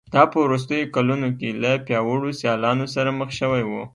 دا په وروستیو کلونو کې له پیاوړو سیالانو سره مخ شوی و